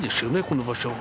この場所。